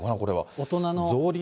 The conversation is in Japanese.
大人の。